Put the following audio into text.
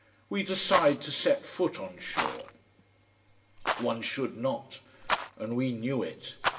We decide to set foot on shore. One should not, and we knew it.